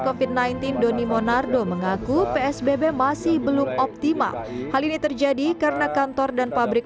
kofit sembilan belas doni monardo mengaku psbb masih belum optimal hal ini terjadi karena kantor dan pabrik